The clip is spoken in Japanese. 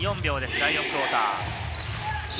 第４クオーター。